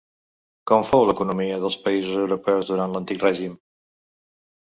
Com fou l'economia dels països europeus durant l'antic règim?